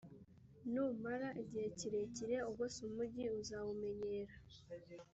numara igihe kirekire ugose umugi uzawumenyera,